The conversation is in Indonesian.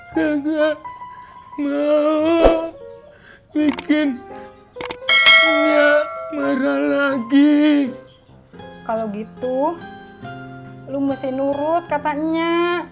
ke enam mau bikin ya marah lagi kalau gitu lu mesti nurut katanya